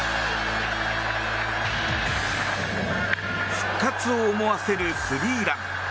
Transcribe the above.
復活を思わせるスリーラン。